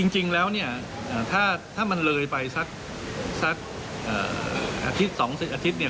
จริงแล้วเนี่ยถ้ามันเลยไปสักอาทิตย์๒๐อาทิตย์เนี่ย